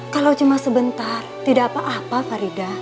kalau cuma sebentar tidak apa apa farida